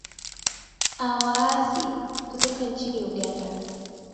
a waasi kutoka nchini uganda